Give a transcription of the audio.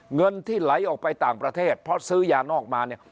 เงินที่ไหลออกไปต่างประเทศเพราะซื้อยานอกมาเนี่ย